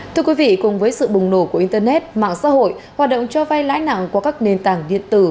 thưa quý vị cùng với sự bùng nổ của internet mạng xã hội hoạt động cho vay lãi nặng qua các nền tảng điện tử